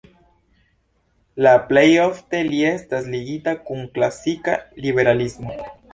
La plej ofte li estas ligita kun klasika liberalismo.